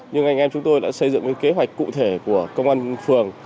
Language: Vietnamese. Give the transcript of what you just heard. nhưng anh em chúng tôi đã xây dựng kế hoạch cụ thể của công an phường